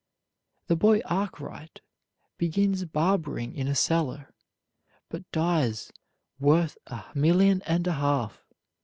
The boy Arkwright begins barbering in a cellar, but dies worth a million and a half.